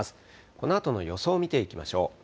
このあとの予想を見ていきましょう。